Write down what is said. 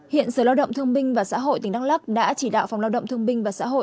hiện sở lao động thương binh và xã hội tỉnh đắk lắc đã chỉ đạo phòng lao động thương binh và xã hội